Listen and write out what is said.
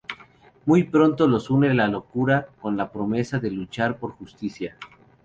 Muy pronto los une la locura, con la promesa de luchar por la justicia.